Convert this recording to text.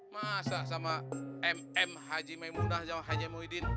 masa sama em em ajai mimunah dan hajai muhyiddin